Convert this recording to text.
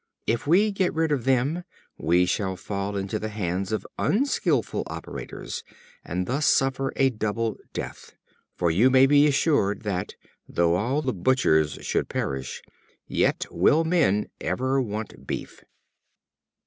If we get rid of them, we shall fall into the hands of unskillful operators, and thus suffer a double death; for you may be assured that, though all the Butchers should perish, yet will men never want beef."